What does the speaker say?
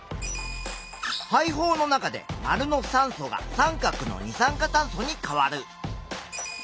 肺胞の中で●の酸素が▲の二酸化炭素に変わる。